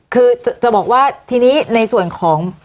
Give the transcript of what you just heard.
คือจะบอกว่าทีนี้ในส่วนของ